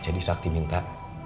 jadi sakti minta